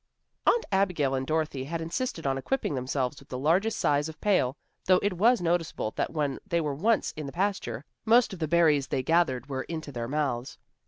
Aunt Abigail and Dorothy had insisted on equipping themselves with the largest size of pail, though it was noticeable that when they were once in the pasture, most of the berries they gathered went into their mouths.